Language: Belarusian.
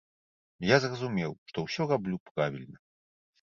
Я зразумеў, што ўсё раблю правільна.